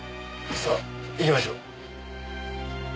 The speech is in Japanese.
さあ行きましょう。